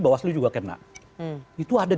bawaslu juga kena itu ada